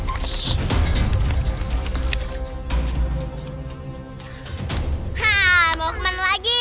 hah mau ke mana lagi